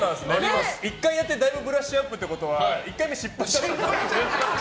１回やってだいぶブラッシュアップということは１回目失敗したってことですかね。